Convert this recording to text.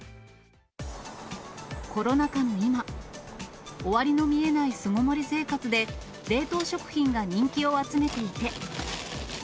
コロナ禍の今、終わりの見えない巣ごもり生活で、冷凍食品が人気を集めていて。